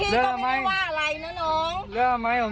นี่ก็ไม่ได้ว่าอะไรนะน้อง